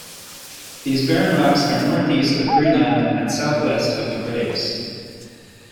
These barren rocks are northeast of Green Island and southwest of The Graves.